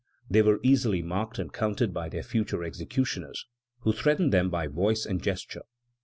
They were easily marked and counted by their future executioners, who threatened them by voice and gesture.